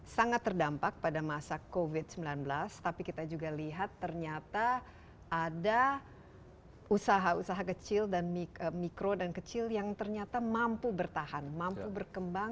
sangat terdampak pada masa covid sembilan belas tapi kita juga lihat ternyata ada usaha usaha kecil dan mikro dan kecil yang ternyata mampu bertahan mampu berkembang